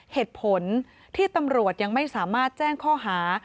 เหตุผลที่ตำรวจยังไม่สามารถแจ้งข้อหา